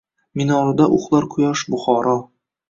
Minorida uxlar quyosh Buxoro